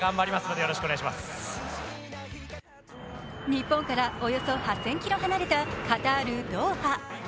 日本からおよそ８０００ｋｍ離れたカタール・ドーハ。